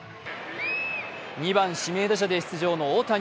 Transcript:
２番・指名打者で出場の大谷。